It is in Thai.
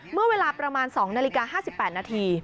เมื่อเวลาประมาณ๒นาฬิกา๕๘นาที